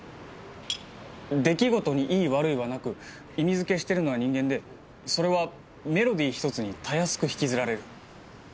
出来事にいい悪いはなく意味付けしてるのは人間でそれはメロディー一つにたやすく引きずられる。